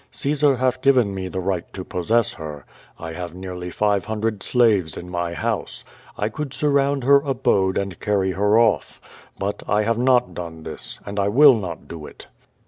Caesar hath given me the right to possess her. I have nearly five hundred slaves in my house. I could surround her abode and carry her ofl^. But I have not done this, and I will not do it."